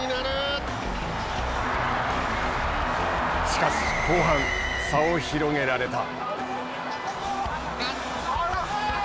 しかし後半、差を広げられた。